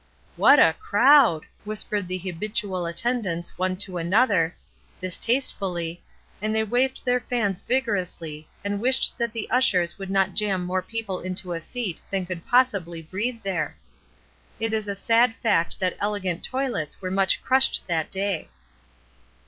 ''What a crowd!'' whispered the habitual attendants one to another, distastefully, and they waved their fans vigorously, and wished that the ushers would not jam more people into a seat than could possibly breathe there. It is a sad fact that elegant toilets were much crushed that day.